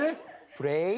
プレイ？